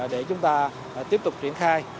để chúng ta tiếp tục triển khai